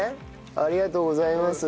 ありがとうございます。